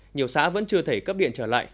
nhiều xã vẫn chưa thể cấp điện trở lại